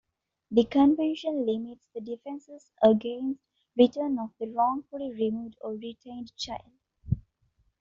The Convention limits the defenses against return of a wrongfully removed or retained child.